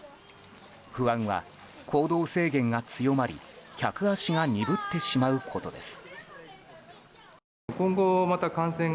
不安は行動制限が強まり客足が鈍ってしまうことです。